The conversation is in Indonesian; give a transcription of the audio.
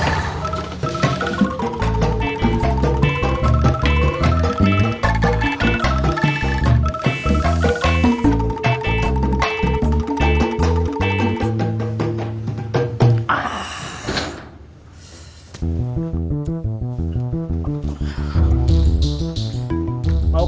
kamu aja yang handle